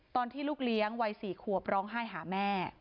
ตอนที่ลูกเลี้ยงวัย๔ขวบร้องไห้หาแม่